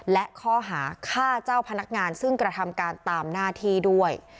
และข้อหาฆ่าเจ้าพนักงานซึ่งกระทำการตามหน้าที่ด้วย